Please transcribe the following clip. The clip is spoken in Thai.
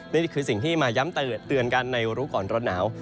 นี่คือสิ่งที่มาย้ำเตือนกันในรู้ก่อนร้อนหนาว